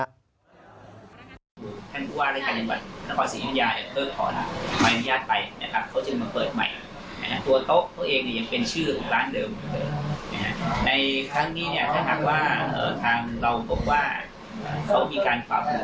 ในข้อถ้าเริ่มอีกเรารู้ใจกับพนักงานส่วนนะครับ